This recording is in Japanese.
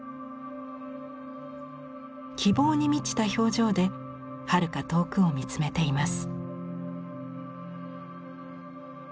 希望に満ちた表情ではるか遠くを見つめています。